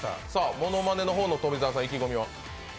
ものまねの方の富澤さん、意気込みは？